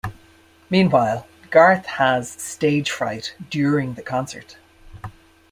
Meanwhile, Garth has stage fright during the concert.